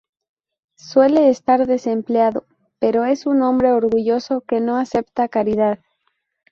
Suele estar desempleado, pero es un hombre orgulloso que no acepta caridad.